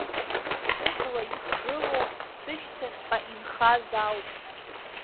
Сыбла ихгылоу сышьҭахьҟа инхаз ауп.